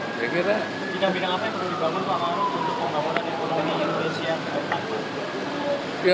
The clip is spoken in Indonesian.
jika bilang apa yang perlu dibangun pak maulud untuk pembangunan ekonomi indonesia